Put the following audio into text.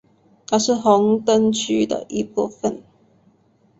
它是红灯区的一部分。